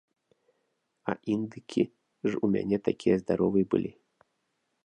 А індыкі ж у мяне такія здаровыя былі!